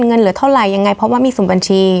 เงินเหลือเท่าไหร่ยังไงเพราะว่ามีสุ่มบัญชี